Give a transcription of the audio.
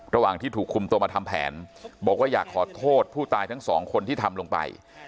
ระหว่างที่ถูกคุมตัวมาทำแผนบอกว่าอยากขอโทษผู้ตายทั้งสองคนที่ทำลงไป